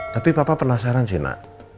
tapi papa penasaran sienna